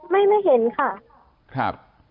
ไม่ไม่เห็นค่ะ